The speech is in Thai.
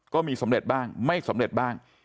ก็มีสำเร็จบ้างไม่สำเร็จบ้าง